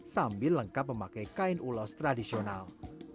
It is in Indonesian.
sambil lengkap memakai kain ulos tradisional